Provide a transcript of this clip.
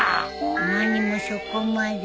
何もそこまで。